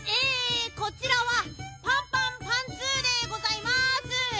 えこちらはパンパンパンツーでございます！